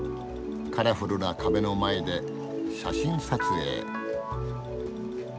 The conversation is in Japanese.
カラフルな壁の前で写真撮影。